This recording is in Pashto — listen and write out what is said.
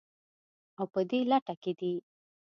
او په دې لټه کې دي